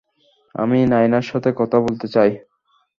আমি নায়নার সাথে কথা বলতে চাই।